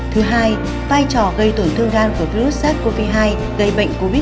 thứ hai vai trò gây tổn thương gan của virus sars cov hai gây bệnh covid một mươi chín